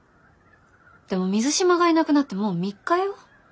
でも水島がいなくなってもう３日よ。